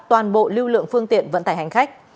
toàn bộ lưu lượng phương tiện vận tải hành khách